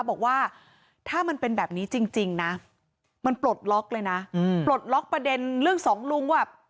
บอกว่าถ้ามันเป็นแบบนี้จริงนะมันปลดล็อกเลยนะปลดล็อกประเด็นเรื่องสองลุงว่า